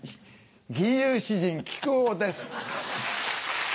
吟遊詩人木久扇です。